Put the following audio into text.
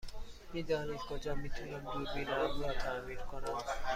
می دانید کجا می تونم دوربینم را تعمیر کنم؟